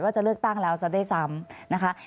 จะเลือกตั้งแล้วซะด้วยซ้ำนะคะ